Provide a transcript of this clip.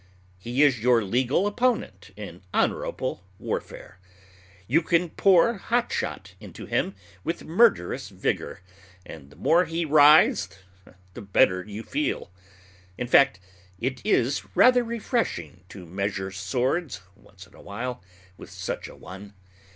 He is your legal opponent in honorable warfare. You can pour hot shot into him with murderous vigor; and the more he writhes, the better you feel. In fact, it is rather refreshing to measure swords once in a while with such a one.